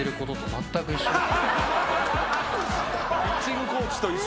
ピッチングコーチと一緒。